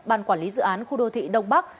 ban quản lý dự án khu đô thị đông bắc